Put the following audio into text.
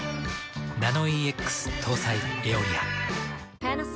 ナノイーＸ搭載「エオリア」。